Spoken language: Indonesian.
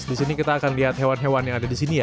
di sini kita akan lihat hewan hewan yang ada di sini ya